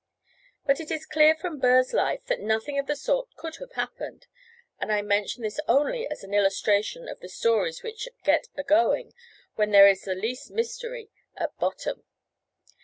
But it is clear from Burr's life, that nothing of the sort could have happened; and I mention this only as an illustration of the stories which get a going where there is the least mystery at bottom.